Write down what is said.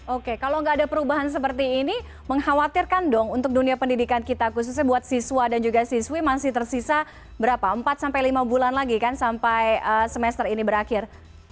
oke kalau nggak ada perubahan seperti ini mengkhawatirkan dong untuk dunia pendidikan kita khususnya buat siswa dan juga siswi masih tersisa berapa empat sampai lima bulan lagi kan sampai semester ini berakhir